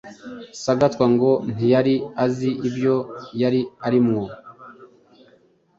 Sagatwa ngo ntiyari azi ibyo yari arimwo